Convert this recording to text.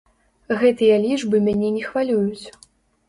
Гэтыя лічбы мяне не хвалююць.